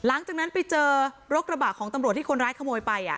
หลังจากนั้นไปเจอรถกระบะของตำรวจที่คนร้ายขโมยไป